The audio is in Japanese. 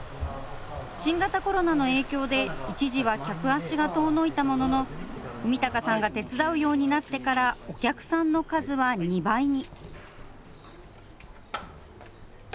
新型コロナの影響で、一時は客足が遠のいたものの、文隆さんが手伝うようになってから、お客さんの数は２倍に。